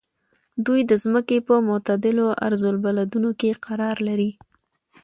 دوی د ځمکې په معتدلو عرض البلدونو کې قرار لري.